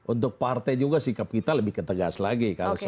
untuk partai juga sikap kita lebih ketegas lagi